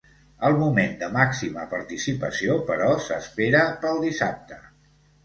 El moment de màxima participació, però, s’espera pel dissabte.